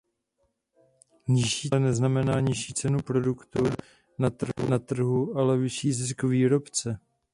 Nižší cena ale neznamená nižší cenu produktu na trhu ale vyšší zisk výrobce.